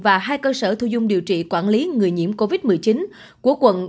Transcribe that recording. và hai cơ sở thu dung điều trị quản lý người nhiễm covid một mươi chín của quận